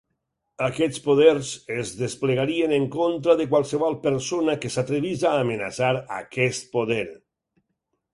Aquests poders es desplegarien en contra de qualsevol persona que s'atrevís a amenaçar aquest poder.